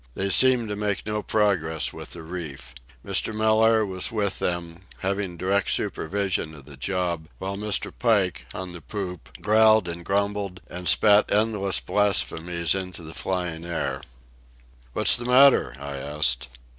They seemed to make no progress with the reef. Mr. Mellaire was with them, having direct supervision of the job, while Mr. Pike, on the poop, growled and grumbled and spat endless blasphemies into the flying air. "What's the matter?" I asked.